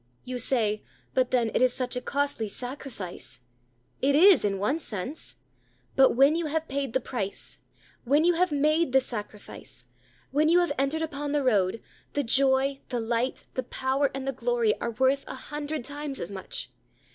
You say, "But then it is such a costly sacrifice." It is, in one sense; but when you have paid the price, when you have made the sacrifice, when you have entered upon the road, the joy, the light, the power, and the glory are worth a hundred times as much.